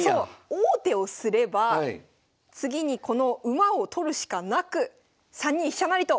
王手をすれば次にこの馬を取るしかなく３二飛車成と！